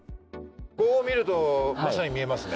こう見ると真下に見えますね。